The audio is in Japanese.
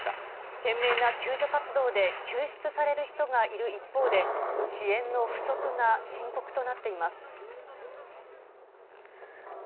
懸命な救助活動で救出される人がいる一方で、支援の不足が深刻となっています。